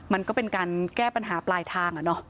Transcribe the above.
มันก็เป็นการแก้ปัญหาปลายทาง